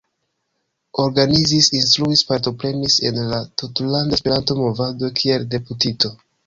Organizis, instruis, partoprenis en la tutlanda esperanto-movado kiel deputito.